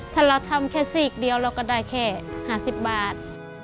ถ้าเราทำแค่สี่อีกเดียวเราก็ได้แค่ห้ารสิบบาท